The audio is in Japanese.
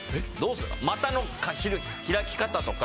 股の開き方とか。